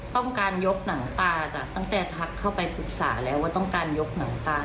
ต้องการยกหนังตาจ้ะตั้งแต่ทักเข้าไปปรึกษาแล้วว่าต้องการยกหนังตา